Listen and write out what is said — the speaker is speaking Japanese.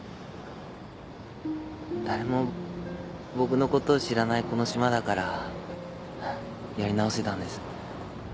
誰も僕のことを知らないこの島だからやり直せたんです。